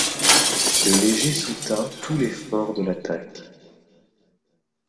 Le léger soutint tout l'effort de l'attaque.